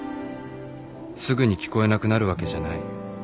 すぐに聞こえなくなるわけじゃない